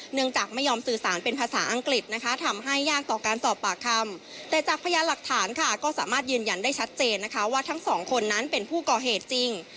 เนื่องจากไม่ยอมสื่อสารเป็นภาษาอังกฤษนะคะทำให้ยากต่อการสอบปากคำแต่จากพยานหลักฐานค่ะก็สามารถยืนยันได้ชัดเจนนะคะว่าทั้งสองคนนั้นเป็นผู้ก่อเหตุจริง